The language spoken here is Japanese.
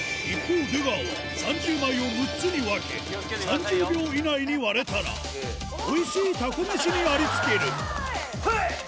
一方出川は３０枚を６つに分け３０秒以内に割れたらおいしいタコめしにありつけるはい！